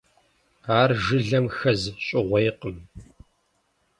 Ар жылэм хэз щӏыгъуейкъым.